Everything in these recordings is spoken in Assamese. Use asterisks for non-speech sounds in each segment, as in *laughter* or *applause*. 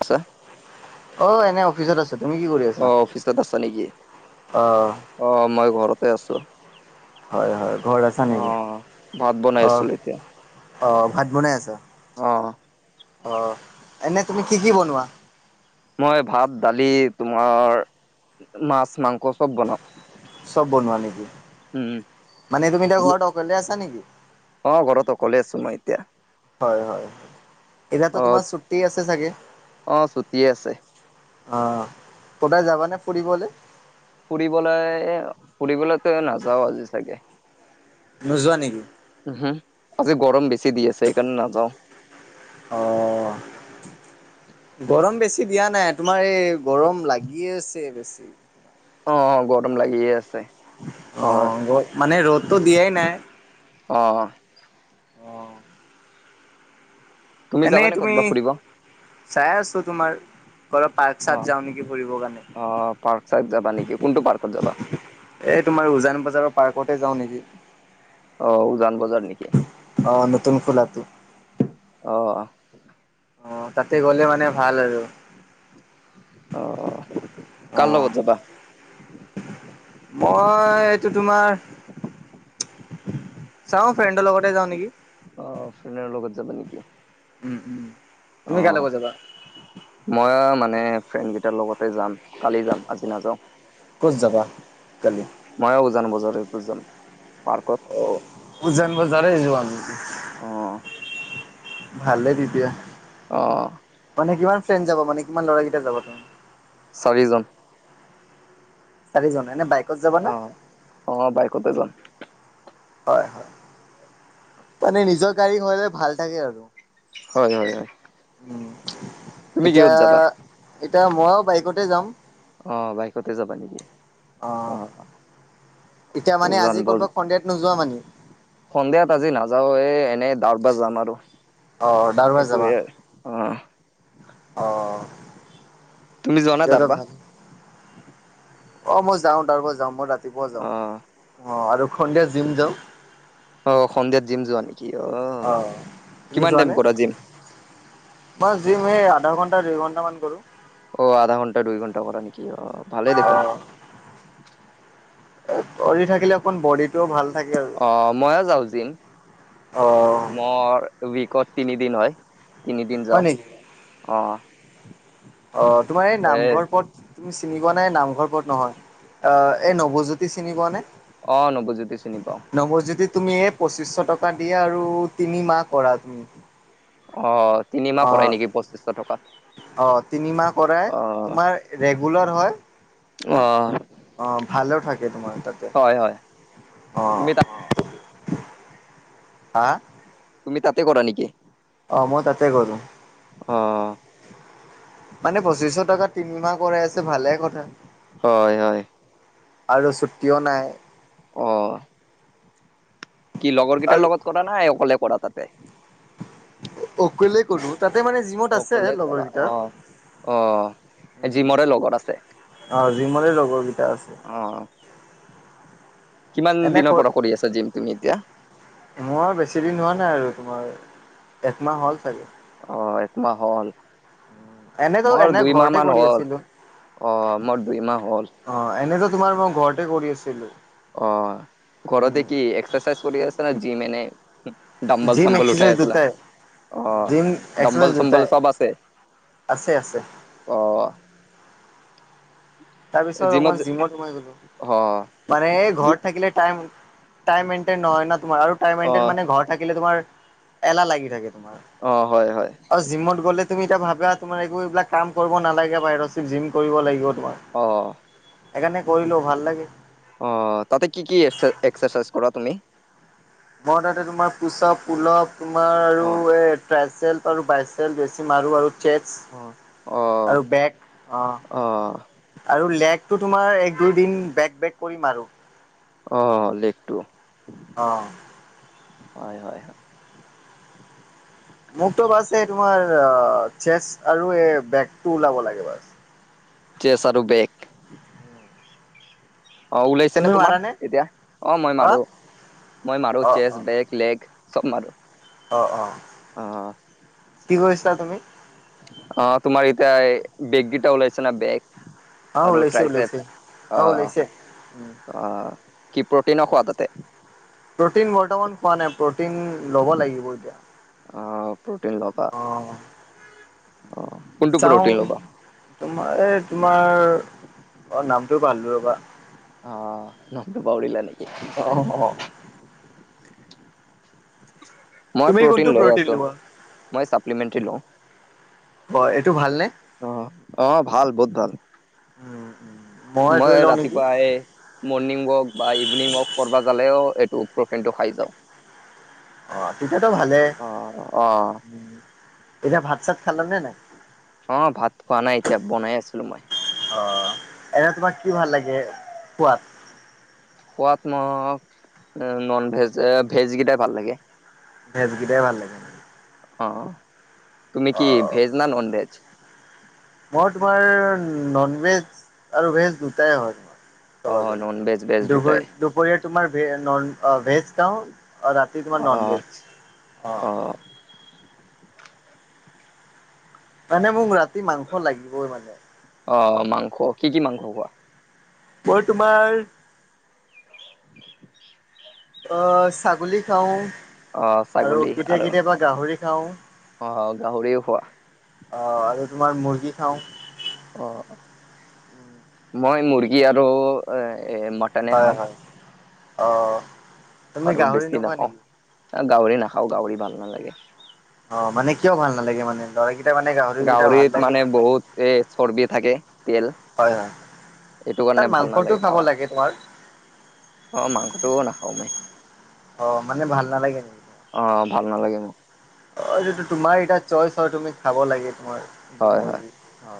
আছে অ এনে অফিচত আছো, তুমি কি কৰি অ আছা? অফিচত আছা নেকি অহ। অ মই ঘৰতে আছো হয় হয় ঘৰত আছা অ নেকি ভাত বনাই অ আছিলো এতিয়া অ ভাত বনাই আছ অ অ এনে তুমি কি কি বনোৱা? মই ভাত, দালি তোমাৰ মাছ, মাংস চব বনাও। চব বনোৱা নেকি উম মানে তুমি এতিয়া ঘৰত অকলে আছা নেকি? অ ঘৰত অকলে আছো মই এতিয়া হয় হয় এতিয়া তো অ তোমাৰ ছুটি আছে চাগে অ ছুটিয়ে আছে অ কোদায় যাবানে ফুৰিবলে ফুৰিবলে ফুৰিবলেতো নাযাওঁ আজি চাগে। নোযোৱা নেকি? উ হুম আজি গৰম বেছি দি আছে সেইকাৰণে নাযাওঁ অ গৰম বেছি দিয়া নাই তোমাৰ এই গৰম লাগি আছে বেছি অ অ গৰম লাগি আছে হয় অ মানে ৰ'দটো দিয়াই নাই। অ তুমি যাবানে ক'তবা ফুৰিব? চাই আছো তোমাৰ। কৰ পাৰ্ক অ চাৰ্ক যাওঁ নেকি ফুৰিব অ পাৰ্ক চাৰ্ক যাবা নেকি কাৰণে। কোনটো পাৰ্কত যাবা এ তোমাৰ উজান বজাৰৰ পাৰ্কতে যাওঁ নেকি। অও উজান বজাৰ নেকি। অ নতুন খোলাটো অ অ তাতে গ'লে মানে ভাল আৰু অ অ কাৰ লগত যাবা? মই এইটো তোমাৰ চাও ফ্ৰেণ্ডৰ লগতে যাও নেকি? অ ফ্ৰেডৰ লগত যাবা নেকি? উম উম অ তুমি কা লগত যাবা মই মানে ফ্ৰেণ্ড কেইটাৰ লগতে যাম কালি যাম আজি নাযাওঁ। ক'ত জাবা কালি? ময়ো উজান বজাৰতো যাম পাৰ্কত। অ উজান বজাৰে যোৱা নেকি? অ ভালেই তেতিয়া। অ। মানে কিমান ফ্ৰেণ্ড যাব মানে কিমান লৰাকেইটা যাব তালে চাৰিজন। চাৰিজনে এনে বাইক। অ অ অ বাইকতে যাম। হয় হয় মানে নিজৰ গাড়ী হলে ভাল থাকে আৰু। হয় হয় হয়। উম তুমি এতিয়া কিহত যাবা? এতিয়া মই আৰু বাইকতে যাম। অ', বাইকতে যাবা নেকি? অ', এতিয়া মানে উজান আজি ক'ৰবাত বজা', সন্ধিয়াত নোযোৱা মানে? সন্ধিয়াত আজি নাযাও এ-এনেই ডাউক দা যাম আৰু', অ দাৰবৰ যাবা এইটোৱে। অ অ। তুমি যোৱা না তেতিয়াতো দাৰবা ভাল অ মই যাওঁ তাৰ পৰা যাওঁ মই ৰাতিপুৱা অ যাওঁ অ আৰু সন্ধিয়া জিম যাওঁ। অ', সন্ধিয়াত জিম যোৱা নেকি? অহ', অ' তুমি কিমান যোৱা নে? টাইম কৰা জিম? মই জিম এই আধা ঘণ্টা দুই ঘণ্টামান কৰোঁ', অ', আধা ঘণ্টা দুই ঘণ্টা কৰা নেকি? অ', ভালেই দেখোন অহ', এই কৰি থাকিলে অকণ বডিটোও ভাল থাকে আৰু', অ', মইয় যাওঁ জিম, অ' মোৰ উইকত তিনিদিন হয়', তিনিদিন যাও, হয় নেকি অ', অ', তোমাৰ এই এ নামঘৰ পথ', তুমি চিনি পোৱা নে নামঘৰ পথ নহয়, অ', এই নৱজ্যোতি চিনি পোৱা নে? অ', নৱজ্যোতি চিনি পাওঁ ', নৱজ্যোতিত তুমি এই পঁচিছশ টকা দিয়া আৰু তিনিমাহ কৰা তুমি', অহ', তিনিমাহ অ' কৰাই নেকি পঁচিছশ টকাত? অ', তিনিমাহ কৰাই, অ তোমাৰ ৰেগুলাৰ হয়', অ', ভালেও থাকে তোমাৰ তাতে', হয় হয় তুমি অ', তাত, অহ', হা', তুমি তাতে কৰা নেকি? অ', মই তাতে কৰোঁ', অ', মানে পঁচিছশ টকা তিনিমাহ কৰাই আছে ভালে কথা', হয়', - হয়', আৰু ছুটিও নাই', অহ', কি লগৰ কেইটাৰ আৰু লগত কৰা নাই অকলে কৰা তাতে? অকলেই কৰোঁ, তাতে মানে জিমত অকলে আছেই কৰা লগৰ অ কেইটা', অ', জিমৰে লগত আছে'? অ', জিমৰে লগৰ দুটা আছে', অ', -অ', কিমান এনে দিনৰ পৰা কৰি আছা জিম তুমি এতিয়া? মই বেছি দিন হোৱা নাই আৰু তোমাৰ, একমাহ হ'ল চাগে', অ', একমাহ হ'ল', এনেতো মোৰ এনে দুইমাহ ঘৰতে মান কৰি হ'ল, আছিলোঁ অহ', মোৰ দুইমাহ হ'ল', অ', এনেতো তোমাৰ মই ঘৰতে কৰি আছিলোঁ', অ', ঘৰতে উম, কি এক্সাৰচাইজ কৰি আছে নে জিম এনে? হম', -হম', ডাম্বল জিম চাম্বল এক্সাৰচাইজ উঠাই আছিলা, দুটাই অ', জিম এক্সাৰচাইজ ডাম্বল দুটাই। চম্বল চব আছে? আছে', - আছে', অহ', -অহ', তাৰপিছত, অকমান জিমত সোমাই গলোঁ', অ মানে এই জি ঘৰত থাকিলে টাইম-টাইম মেইনটেইন নহয় ন তোমাৰ আৰু', টাইম অ মেইনটেইন মানে ঘৰত থাকিলে তোমাৰ এলাহ লাগি থাকে তোমাৰ', অ', - হয়', - হয়', আৰু জিমত গ'লে তুমি এতিয়া ভাবিবা তোমাৰ একো এইবিলাক কাম কৰিব নালাগে বাহিৰত চিৰফ জিম কৰিব লাগিব তোমাৰ', অ', -অ', -অ', সেইকাৰণে কৰিলেও ভাল লাগে', অহ', তাতে কি-কি এক্সাৰচাইজ কৰা তুমি? মই তাতে তোমাৰ পুশ-আপ, পুল-আপ, তোমাৰ আৰু অ এ', ট্ৰাইচেপ আৰু বাইচেপ বেছি মাৰোঁ আৰু চেচ', অহ', আৰু বেগ অ আৰু লেগটো তোমাৰ এক দুইদিন বেক বেক কৰিম আৰু অ লেখ অ হয় হয় হয় মোকতো বাছ এই তোমাৰ অ চেচ আৰু এই বেগতটো ওলাব লাগে বাছ চেছ আৰু বেগ অ ওলাইছে নে তুমি তোমাৰ মাৰানে? এতিয়া অ মই মাৰো মই মাৰো অ অ চেচ বেক লেগ চব মাৰো। অ অ অ', কি কৰিছা তুমি? অ তোমাৰ ইতিয়া বেগ গিটা ওলাইছে ন বেগ অঁ আৰু ওলাইছে ট্ৰাইচেপ। ওলাইছে অঁ ওলাইছে উ অঁ কি প্ৰটিনৰ খোৱা তাতে। প্ৰটিন বৰ্তমান খোৱা নাই প্ৰটিন ল'ব লাগিব এতিয়া। অঁ প্ৰ'টিন লগা অ চাওঁ ল'বা? তোমাৰ এই তোমাৰ অ নামটো পাহৰিলো ৰ'বা। অ, নামতো পাহৰিলা নেকি? অঁ অঁ মই তুমি কোনটো প্ৰটিন লই আছো লোৱা? মই চাপলীলমেট্ৰি লওঁ। হয় এইটো ভালনে? অঁ অ ভাল বহুত ভাল। উম উম মই ৰাতিপুৱা এ মৰ্ণিং ৱক বা ইভিনিং ৱক কৰবা গালেও এইটো প্ৰটিনটো খাই যাওঁ। অ তেতিয়াতো ভালে অ', অ', উম, এতিয়া ভাত চাত খালা নে নাই? অঁ ভাত খোৱা নাই এতিয়া বনাই আছিলো মই। অ এনে তোমাক কি ভাল লাগে খোৱাত। সোৱাদ মোক নন ভেজ ভেজকেইটাই ভাল লাগে। ভেজকেইটাই ভাল লাগে। মানে। অঁ তুমি কি অ'। ভেজ নে নন ভেজ। মই তোমাৰ নন ভেজ আৰু ভেজ দুটাই হয়। অ কবা গলে, নন ভেজ ভেজ দুটাই দেও- দুপৰীয়া তোমাৰ ভে নন অঁ ভেজ খাওঁ ৰাতি তোমাৰ অ নন ভেজ, অঁ। অ মানে মোক ৰাতি মাংস লাগিবই মানে। অ মাংস কি কি মাংস খোৱা। মই তোমাৰ- *unintelligible* অঁ ছাগলী খাওঁ। অ আৰু ছাগলী কেতিয়া কেতিয়াবা গাহৰি খাওঁ। অ গাহৰিও খোৱা অ আৰু তোমাৰ মুৰ্গী খাওঁ। অ মই মুৰ্গী আৰু এ এ মট- হয় হয়, অ তুমি গাহৰি নোখোৱা নেকি? অ গাহৰি নাখাও গাহৰি ভাল নালাগে। অ মানে কিয় ভাল নালাগে মানে লৰা কি- গাহৰিত মানে বহুত এ চৰ্বি থাকে তেল। হয় হয় এইটো তাৰ কাৰণে ভাল মাংসটো নালাগে খাব খাবা। লাগে তোমাৰ অঁ মাংসটোও নাখাওঁ মই। অ মানে ভাল নালাগে নেকি? অ' ভাল নালাগে মোক অ' যিটো তোমাৰ এতিয়া চইচ হয় তুমি খাব লাগে তোমাৰ যি হয় হয় মৰ্জি। অ,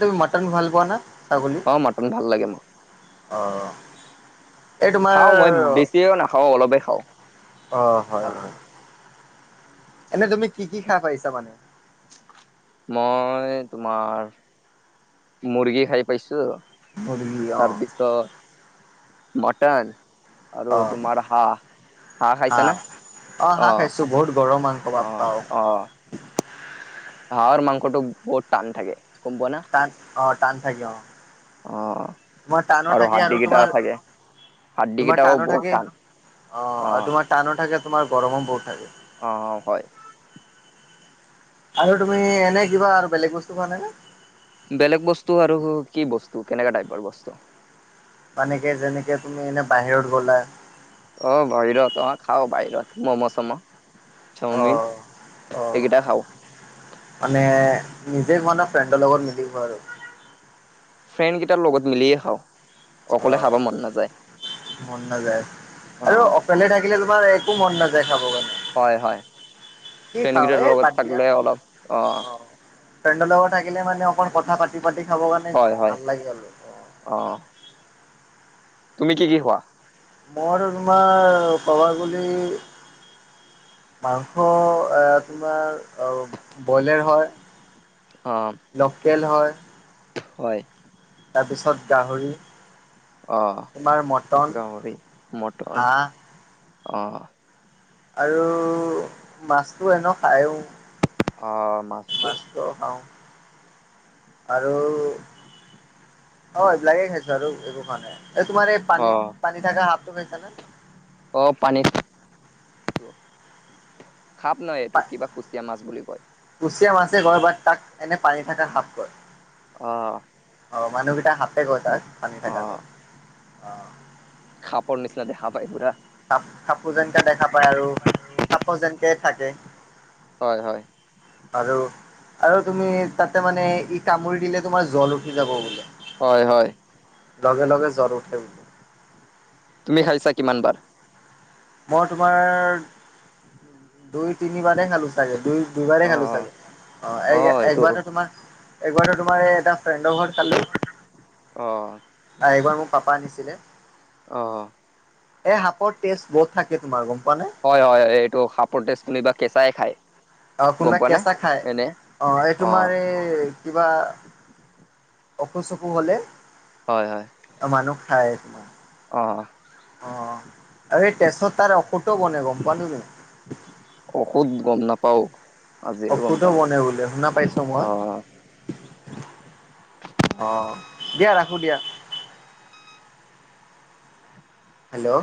তুমি মাটন ভাল পোৱা না? ছাগলী অ মাটন ভাল লাগে মোৰ। অ' এই তোমাৰ খাওঁ মই বেছিও নাখাওঁ অলপে খাওঁ অ' খালে হয়-হয়। এনে তুমি কি-কি খাই পাইছা মানে? মই তোমাৰ মুৰ্গী খাই পাইছোঁ, মুৰ্গী অ তাৰপিছত মটন আৰু অ তোমাৰ হাঁহ। হাঁহ খাইছানে? অ হাঁহ খাইছো বহুত গৰম মাংস বাপ্পা অ'-অ'-অ' অ হাঁহৰ মাংসটো বহুত টান থাকে গম পোৱানে? টান অ' টান থাকে অ' অ তোমাৰ টানো থাকে হাড্ডি আৰু কেইটা তোমাৰ থাকে হাড্ডি তোমাৰ কেইটাও টানো বহুত থাকে টান অ' অ আৰু তোমাৰ টানো থাকে তোমাৰ গৰমো বহুত থাকে। অ'-অ' হয়। আৰু তুমি এনে কিবা আৰু বেলেগ বস্তু খোৱা নে-নে? বেলেগ বস্তু আৰু কি বস্তু কেনেকা টাইপৰ বস্তু? মানে কি যেনেকে তুমি এনে বাহিৰত গ'লা অ' বাহিৰত অ' খাওঁ বাহিৰত মম' চম'। অ চাওমিন অ এইকেইটা খাওঁ। মানে নিজে খোৱানে ফ্ৰেণ্ডৰ লগত মিলি খোৱা আৰু? ফ্ৰেণ্ড কেইটাৰ লগত মিলিয়ে খাওঁ। অকলে খাব হয় মন নাযায় মন নাযায় আৰু অ'। অকলে থাকি থাকিলে তোমাৰ একো মন নাযায় খাব কাৰণে। হয়-হয়, কি ফ্ৰেড খাওঁ কেইটৰ এই বাদ লগত দিয়া থাকিলে অলপ অ' ফ্ৰেণ্ডৰ লগত থাকিলে মানে অকণ কথা পাতি-পাতি খাব কাৰণে হয়, হয়, ভাল লাগিল আৰু। অ' তুমি কি-কি খোৱা? মই তোমাৰ ক'ব গ'লে মাংস তোমাৰ ব্ৰইলাৰ হয় অ' লোকেল হয় হয়। তাৰপিছত গাহৰি অ' তোমাৰ মটন গাহৰি, মটন হাঁহ অ'। আৰু মাছটো এনেও খায়ো। অ' মাছটো খাওঁ আৰু অ' এইবিলাকে খাইছোঁ আৰু একো খোৱা নাই, এই তোমাৰ এই পানীত অ', পানী থকা সাপটো খাইছানে? অ' পানীত সাপ নহয় এইটো কিবা কুচিয়া মাছ বুলি কয়। কুচিয়া মাছে কয় বাট তাক এনে পানীত থাকা সাপ কয়। অ' অ' মানুহকেইটা সাপে কয় তাক পানীত থাকা অ', কয়। অ' সাপৰ নিছিনা দেখা পাই পুৰা। সাপ সাপটো যেনা দেখা পায় আৰু সাপো যেনেকে থাকে। হয়-হয়। আৰু আৰু তুমি তাতে মানে ই কামুৰি দিলে তোমাৰ জ্বৰ উঠি যাব বোলে। হয় হয়। লগে লগে জ্বৰ উঠে বোলে। তুমি খাইছা কিমান বাৰ? মই তোমাৰ দুই তিনিবাৰে খালো। চাগে দুই দুইবাৰেই খালোঁ অ', চাগে অ' একবাৰটো তোমাৰ এবাৰটো তোমাৰ এই এটা ফ্ৰেণ্ডৰ ঘৰত খালোঁ অ' আৰু এইবাৰ মোৰ পাপা আনিছিলে। অঁ এ সাপৰ তেজ বহুত থাকে তোমাৰ গম পোৱা নে? হয় হয়, এইটো সাপৰ তেজ খিনি বা কেঁচাই খায়। অ গম কোনোবা পোৱা নে কেঁচা খাই এনে অঁ এই তোমাৰ অ', এই কিবা অসু চসু হ'লে হয় হয়। অ মানুহ খাই, অঁ অঁ, আৰু এই তেছত তাৰ ঔষধ টো বনে গম পোৱা তুমি? ঔষধ গম নাপাও আজিহে গম ঔষধো পালো, বনে বোলে শুনা পাইছো মই। অঁ অঁ অঁ দিয়া ৰাখো দিয়া। হেল্লো'